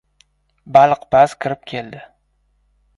Baliqpaz kirib keldi.